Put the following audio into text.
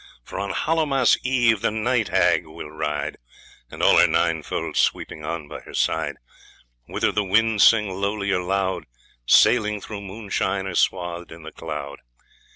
For on Hallow Mass Eve the Night Hag will ride, And all her nine fold sweeping on by her side, Whether the wind sing lowly or loud, Sailing through moonshine or swath'd in the cloud.